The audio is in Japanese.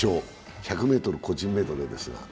１００ｍ個人メドレーですが。